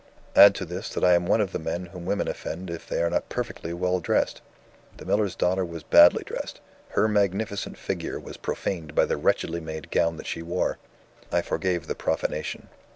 Add to this, that I am one of the men whom women offend if they are not perfectly well dressed. The miller's daughter was badly dressed; her magnificent figure was profaned by the wretchedly made gown that she wore. I forgave the profanation.